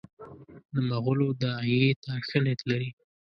د مغولو داعیې ته ښه نیت لري.